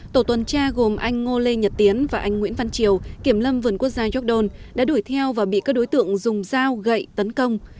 tổ tuần tra gồm anh ngô lê nhật tiến và anh nguyễn văn triều kiểm lâm vườn quốc gia york don đã đuổi theo và bị các đối tượng dùng dao gậy tấn công